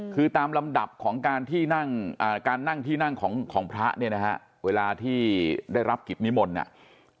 คือตามลำดับของการที่นั่งการนั่งที่นั่งของพระเนี่ยนะฮะเวลาที่ได้รับกิจนิมนต์เนี่ย